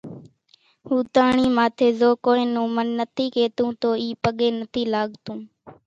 ھوتاۿڻي ماٿي زو ڪونئين نون من نٿي ڪيتون تو اِي پڳين نٿي لاڳتون